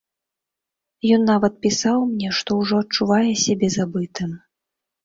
Ён нават пісаў мне, што ўжо адчувае сябе забытым.